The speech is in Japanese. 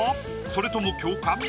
それとも共感？